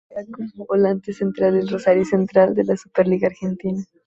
Juega como volante central en Rosario Central de la Superliga Argentina.